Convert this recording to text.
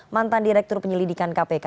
mantan direktur penyelidikan kpk